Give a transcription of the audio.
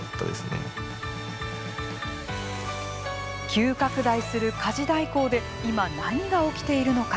急拡大する家事代行で今、何が起きているのか。